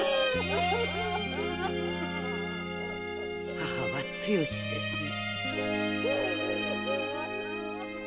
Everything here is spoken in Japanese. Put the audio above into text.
「母は強し」ですね。